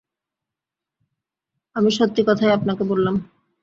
আমি সত্যি কথাই আপনাকে বললাম।